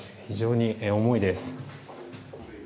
非常に重いです。